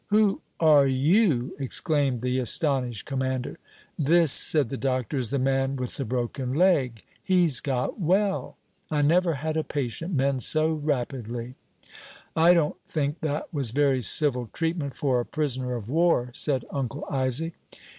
"'Who are you?' exclaimed the astonished commander. "'This,' said the doctor, 'is the man with the broken leg; he's got well; I never had a patient mend so rapidly.'" "I don't think that was very civil treatment for a prisoner of war," said Uncle Isaac.